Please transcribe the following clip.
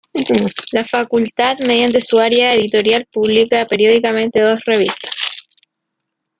La facultad mediante su área editorial publica periódicamente dos revistas.